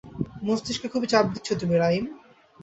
মস্তিষ্কে খুব চাপ দিচ্ছ তুমি, রাইম।